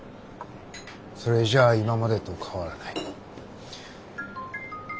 それじゃ今までと変わらない。